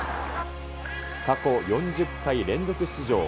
過去４０回連続出場。